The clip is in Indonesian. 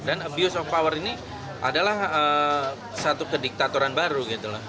dan abuse of power ini adalah satu kediktatoran baru